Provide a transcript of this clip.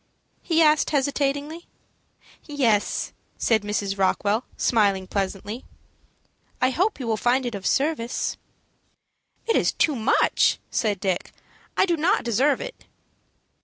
he asked, hesitatingly. "Yes," said Mrs. Rockwell, smiling pleasantly. "I hope you will find it of service." "It is too much," said Dick. "I do not deserve it."